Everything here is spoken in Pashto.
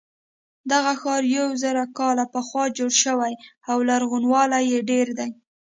دغه ښار یو زر کاله پخوا جوړ شوی او لرغونوالی یې ډېر دی.